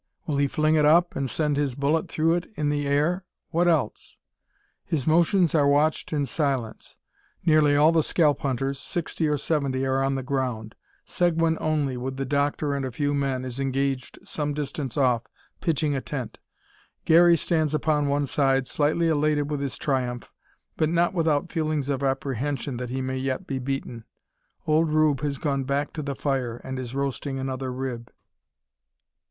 Will he fling it up, and send his bullet through it in the air? What else? His motions are watched in silence. Nearly all the scalp hunters, sixty or seventy, are on the ground. Seguin only, with the doctor and a few men, is engaged some distance off, pitching a tent. Garey stands upon one side, slightly elated with his triumph, but not without feelings of apprehension that he may yet be beaten. Old Rube has gone back to the fire, and is roasting another rib.